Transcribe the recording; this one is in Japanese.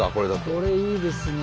これいいですね。